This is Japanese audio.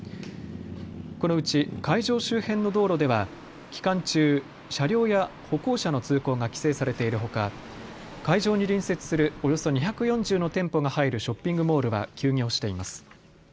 このうち会場周辺の道路では期間中、車両や歩行者の通行が規制されているほか、会場に隣接するおよそ２４０の店舗が入るショッピングモールは休業しています。